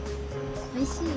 おいしい？